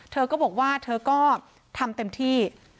เธอก็บอกว่าเธอก็ทำเต็มที่